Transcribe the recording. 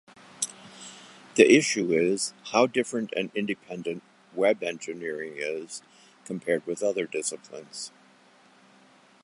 The issue is how different and independent Web engineering is, compared with other disciplines.